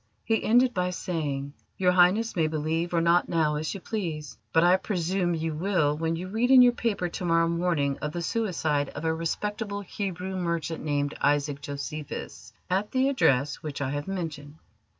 He ended by saying: "Your Highness may believe or not now as you please, but I presume you will when you read in your paper to morrow morning of the suicide of a respectable Hebrew merchant named Isaac Josephus at the address which I have mentioned."